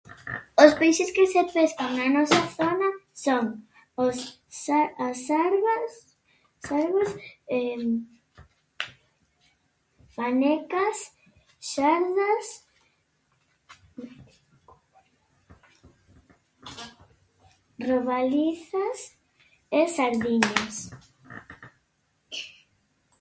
Os peixes que se pescan na nosa zona son os xar- as xarbas, xarbas, fanecas, xardas, robalizas e sardiñas.